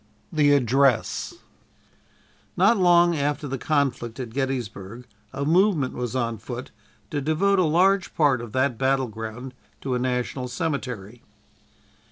'" THE ADDRESS Not long after the conflict at Gettysburg a movement was on foot to devote a large part of that battle ground to a national cemetery.